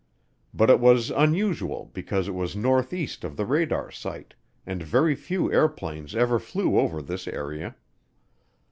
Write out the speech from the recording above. But it was unusual because it was northeast of the radar site, and very few airplanes ever flew over this area.